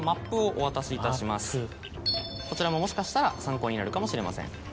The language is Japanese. こちらももしかしたら参考になるかもしれません。